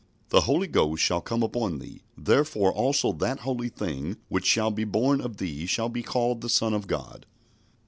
"The Holy Ghost shall come upon thee ... therefore also that holy thing which shall be born of thee shall be called the Son of God."